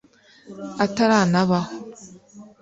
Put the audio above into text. ataranabaho